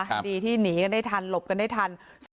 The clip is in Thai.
ดีที่หนีกันได้ทันหลบกันได้ทัน